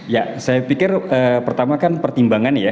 ya saya pikir pertama kan pertimbangan ya